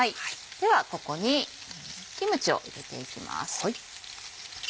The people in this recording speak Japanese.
ではここにキムチを入れていきます。